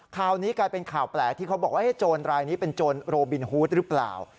ข่าวนี้กลายเป็นข่าวแปลกที่เขาบอกว่าโจรรายนี้เป็นโจรโรบินฮูดหรือเปล่า